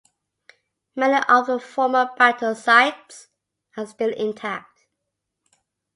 Many of the former battle sites are still intact.